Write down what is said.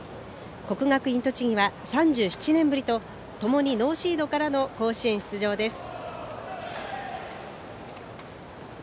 国学院栃木は３７年ぶりとともにノーシードからの甲子園出場です。